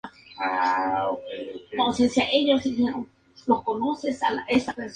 Las decisiones relativas a la atribución de las estrellas se realizan por consenso.